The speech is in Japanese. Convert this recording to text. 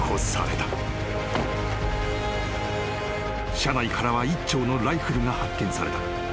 ［車内からは１丁のライフルが発見された］